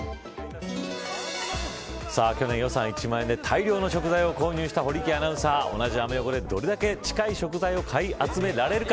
さあ、去年予算１万円で大量の食材を購入した堀池アナウンサー同じアメ横でどれだけ近い食材を買い集められるか。